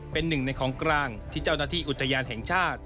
เป็นหนึ่งในของกลางที่เจ้าหน้าที่อุทยานแห่งชาติ